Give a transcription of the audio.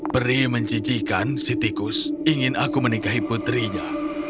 peri menjijikan si tikus ingin aku menikahi putrinya